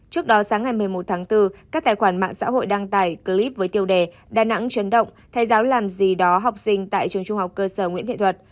trước đó sáng ngày một mươi một tháng bốn các tài khoản mạng xã hội đăng tải clip với tiêu đề đà nẵng chấn động thay giáo làm gì đó học sinh tại trường trung học cơ sở nguyễn nghệ thuật